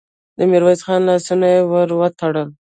د ميرويس خان لاسونه يې ور وتړل.